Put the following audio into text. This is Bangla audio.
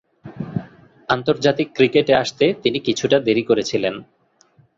আন্তর্জাতিক ক্রিকেটে আসতে তিনি কিছুটা দেরি করেছিলেন।